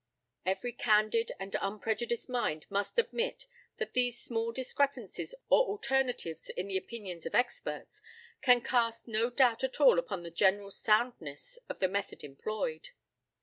Every candid and unprejudiced mind must admit that these small discrepancies or alternatives in the opinions of experts can cast no doubt at all upon the general soundness of the method employed.